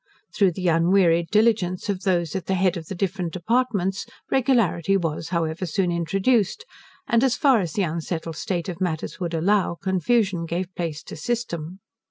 Through the unwearied diligence of those at the head of the different departments, regularity was, however, soon introduced, and, as far as the unsettled state of matters would allow, confusion gave place to system.